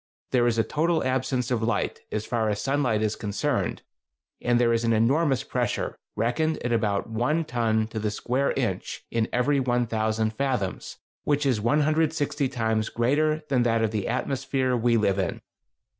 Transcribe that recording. There is a total absence of light, as far as sunlight is concerned, and there is an enormous pressure, reckoned at about one ton to the square inch in every 1000 fathoms, which is 160 times greater than that of the atmosphere we live in.